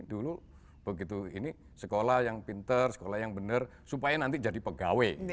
dulu begitu ini sekolah yang pinter sekolah yang benar supaya nanti jadi pegawai